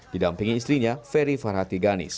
didampingi istrinya ferry farhat